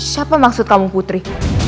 siapa maksud kamu putri